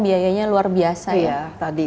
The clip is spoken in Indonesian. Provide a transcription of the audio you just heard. biayanya luar biasa